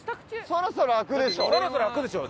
そろそろ開くでしょ。